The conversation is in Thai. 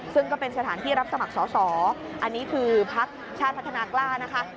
ซึ่งก็เป็นสถานที่รับสมัครสอสออันนี้คือพักชาติพัฒนากล้านะคะ